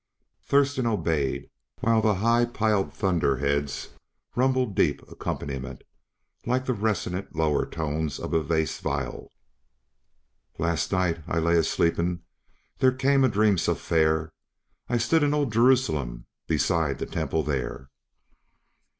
Thurston obeyed while the high piled thunder heads rumbled deep accompaniment, like the resonant lower tones of a bass viol. "Last night I lay a sleeping, there came a dream so fair; I stood in old Jerusalem, beside the temple there."